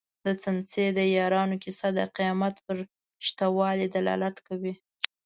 د څمڅې د یارانو کيسه د قيامت پر شته والي دلالت کوي.